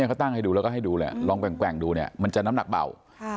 นี่เขาตั้งให้ดูแล้วก็ให้ดูแหละลองแกล้งดูมันจะน้ำหนักเบา